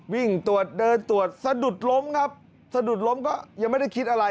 วิ่งตรวจเดินตรวจสะดุดล้มครับสะดุดล้มก็ยังไม่ได้คิดอะไร